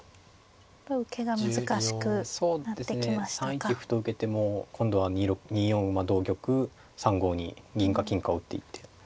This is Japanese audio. ３一歩と受けても今度は２四馬同玉３五に銀か金かを打っていって。